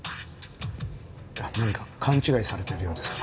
何か勘違いされてるようですが。